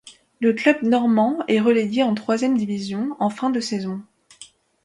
Le club normand est relégué en troisième division en fin de saison.